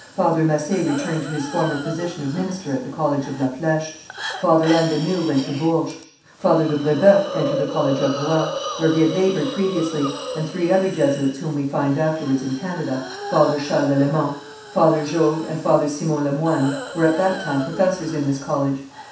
Father Massé returned to his former position of minister at the college of La Flèche. Father Anne de Noüe went to Bourges. Father de Brébeuf entered the college of Rouen, where he had laboured previously, and three other Jesuits whom we find afterwards in Canada, Father Charles Lalemant, Father Jogues and Father Simon Lemoyne, were at that time professors in this college.